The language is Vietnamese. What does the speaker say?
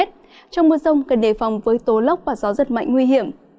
trong mưa rông cần đề phòng với tố lốc và gió rất mạnh nguy hiểm